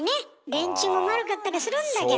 電柱も丸かったりするんだけど。